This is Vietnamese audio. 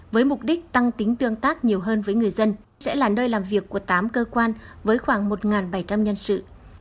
với mục đích tăng tính tương tác nhiều hơn với người dân sẽ là nơi làm việc của tám cơ quan với khoảng một bảy trăm linh nhân sự